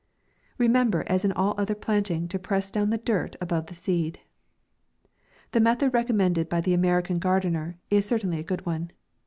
Remember, as in all other planting, to press down the dirt above the seed. The method recommended by the Ameri can Gardener is certainly a good one.